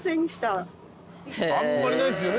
あんまりないですよね